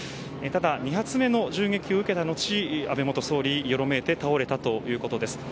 ただ２発目の銃撃を受けた後に安倍元総理よろめいて倒れたということです。